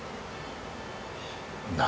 何